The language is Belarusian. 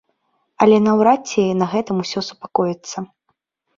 Але наўрад ці на гэтым усё супакоіцца.